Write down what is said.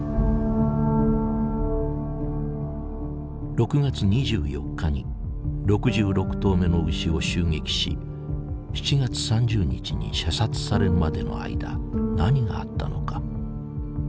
６月２４日に６６頭目の牛を襲撃し７月３０日に射殺されるまでの間何があったのか。